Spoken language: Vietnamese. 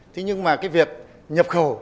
thế nhưng mà cái việc nhập khẩu